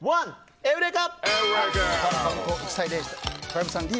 エウレカ！